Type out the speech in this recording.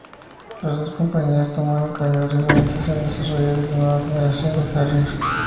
Las dos compañías tomaron caminos diferentes en desarrollo del la nueva generación del Harrier.